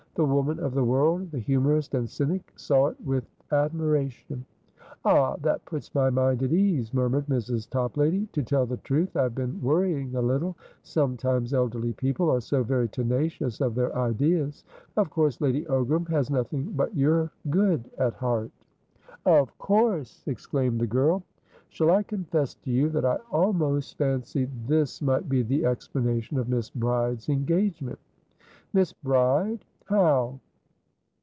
The woman of the world, the humourist and cynic, saw it with admiration. "Ah, that puts my mind at ease!" murmured Mrs. Toplady. "To tell the truth, I have been worrying a little. Sometimes elderly people are so very tenacious of their ideas. Of course Lady Ogram has nothing but your good at heart." "Of course!" exclaimed the girl. "Shall I confess to you that I almost fancied this might be the explanation of Miss Bride's engagement?" "Miss Bride? How?"